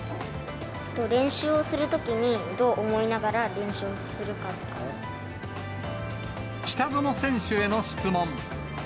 練習をするときにどう思いな北園選手への質問。